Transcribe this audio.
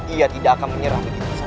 ia tidak akan menyerah begitu saja